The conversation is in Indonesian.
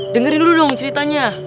dengerin dulu dong ceritanya